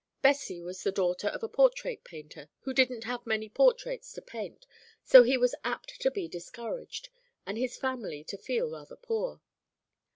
Bessie was the daughter of a portrait painter, who didn't have many portraits to paint, so he was apt to be discouraged, and his family to feel rather poor.